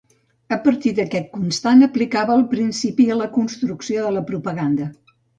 A partir d'aquest constat, aplicava el principi a la construcció de la propaganda.